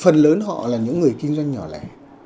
phần lớn họ là những người kinh doanh nhỏ lẻ